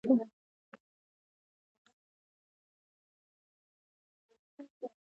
زه غمجن په عيد په جشن خبر نه شوم